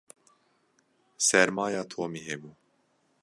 Sermaya Tomî hebû.